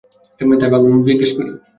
তাই ভাবলাম জিজ্ঞেস করি।